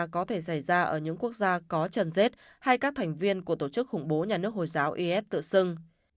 có thể xảy ra ở những quốc gia có trần rét hay các thành viên của tổ chức khủng bố nhà nước hồi giáo is tự xưng